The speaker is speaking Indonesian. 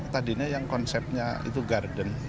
tadinya yang konsepnya itu garden